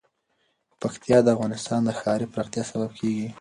پکتیا د افغانستان د ښاري پراختیا سبب کېږي.